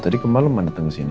tadi kemalem mah dateng kesini